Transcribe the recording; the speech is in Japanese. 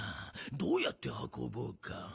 どうやってはこぼうか。